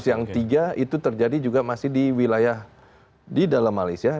yang tiga itu terjadi juga masih di wilayah di dalam malaysia